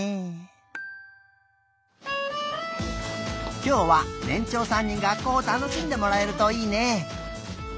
きょうはねんちょうさんに学校をたのしんでもらえるといいね。